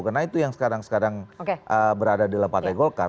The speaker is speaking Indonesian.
karena itu yang sekarang sekarang berada di partai golkar